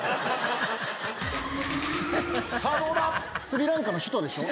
⁉スリランカの首都でしょ？